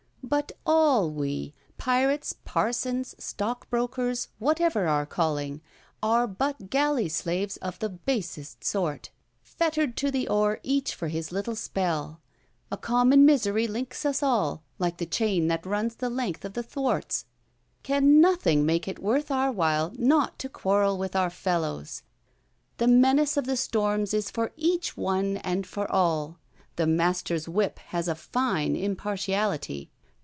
But all we—pirates, parsons, stockbrokers, whatever our calling—are but galley slaves of the basest sort, fettered to the oar each for his little spell. A common misery links us all, like the chain that runs the length of the thwarts. Can nothing make it worth our while not to quarrel with our fellows? The menace of the storms is for each one and for all: the master's whip has a fine impartiality.